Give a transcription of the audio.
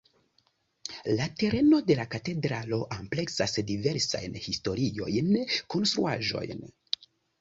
La tereno de la katedralo ampleksas diversajn historiajn konstruaĵojn.